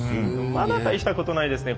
まだ大したことないですね